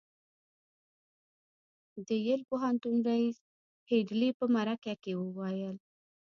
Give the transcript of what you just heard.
د یل پوهنتون ريیس هيډلي په مرکه کې وویل